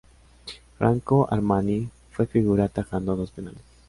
Franco Armani fue figura atajando dos penales.